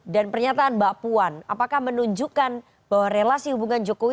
dan pernyataan mbak puan apakah menunjukkan bahwa relasi hubungan jokowi